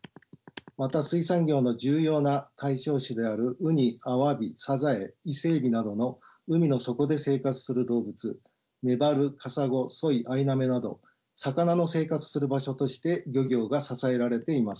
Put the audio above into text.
また水産業の重要な対象種であるウニアワビサザエイセエビなどの海の底で生活する動物メバルカサゴソイアイナメなど魚の生活する場所として漁業が支えられています。